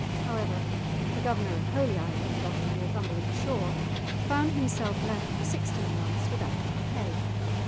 However, the Governor of Holy Island, off the Northumberland shore, found himself left for sixteen months without any pay!